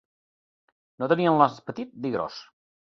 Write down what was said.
No tenia el nas petit ni gros